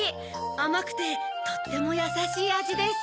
あまくてとってもやさしいあじです。